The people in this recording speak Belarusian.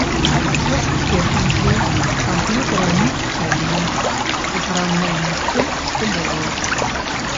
Кошт тэхнікі, камп'ютараў нікчэмны ў параўнанні з тым, што было.